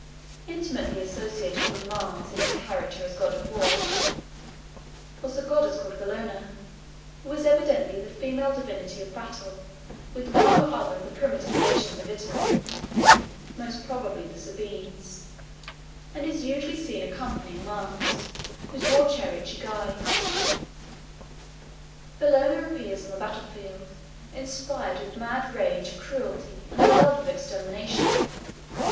Intimately associated with Mars in his character as god of war, was a goddess called BELLONA, who was evidently the female divinity of battle with one or other of the primitive nations of Italy (most probably the Sabines), and is usually seen accompanying Mars, whose war chariot she guides. Bellona appears on the battle field, inspired with mad rage, cruelty, and the love of extermination.